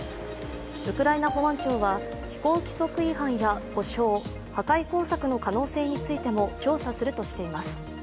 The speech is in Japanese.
ウクライナ保安庁は、飛行規則違反や故障、破壊工作の可能性についても調査しています